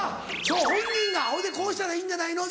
本人がほいで「こうしたらいいんじゃないの？」。